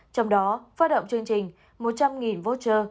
trong đó phát động chương trình một trăm linh voucher